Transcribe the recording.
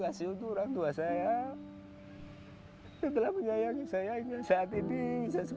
terima kasih untuk orang tua saya yang telah menyayangi saya hingga saat ini bisa seperti ini